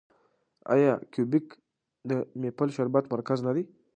آیا کیوبیک د میپل شربت مرکز نه دی؟